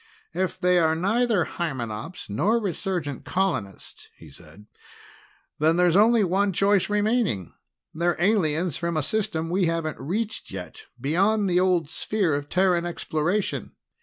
"If they're neither Hymenops nor resurgent colonists," he said, "then there's only one choice remaining they're aliens from a system we haven't reached yet, beyond the old sphere of Terran exploration.